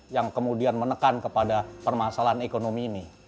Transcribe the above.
yang kemudian menekan kepada permasalahan ekonomi ini